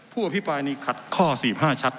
ผู้อภิปรายนี้ขัดข้อ๔๕ชัด